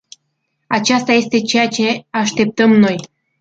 Aceasta este ceea ce așteptăm noi.